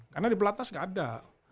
karena di pelatas gak ada